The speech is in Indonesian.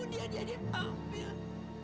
dia diadip adip hamil